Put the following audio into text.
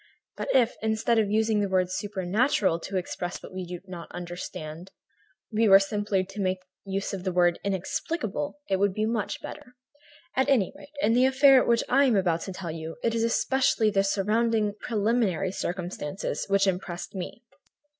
But if, instead of using the word 'supernatural' to express what we do not understand, we were simply to make use of the word 'inexplicable,' it would be much better. At any rate, in the affair of which I am about to tell you, it is especially the surrounding, preliminary circumstances which impressed me.